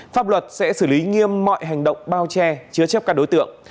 pháp luật sẽ xử lý nghiêm mọi hành động bao che chứa chấp các đối tượng